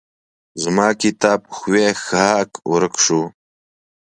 زما کتاب ښوی ښهاک ورک شو.